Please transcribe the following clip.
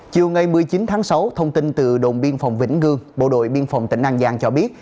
chiều ngày một mươi chín tháng sáu thông tin từ đồn biên phòng vĩnh ngư bộ đội biên phòng tỉnh an giang cho biết